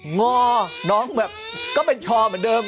งอน้องแบบก็เป็นชอเหมือนเดิม